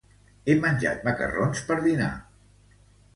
He menjat macarrons per dinar.